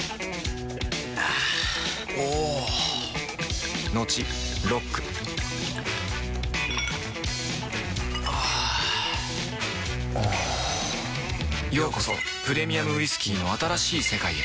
あぁおぉトクトクあぁおぉようこそプレミアムウイスキーの新しい世界へ